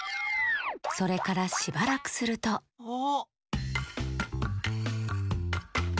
それからしばらくするとあ。